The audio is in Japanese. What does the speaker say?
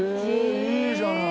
いいじゃない。